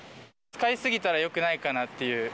使い過ぎたらよくないかなっていう。